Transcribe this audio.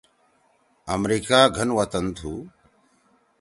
امریکا گھن وطن تُھو۔